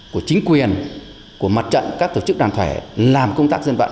của chính quyền của mặt trận các tổ chức đàn thuệ làm công tác dân vận